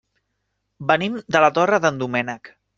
Venim de la Torre d'en Doménec.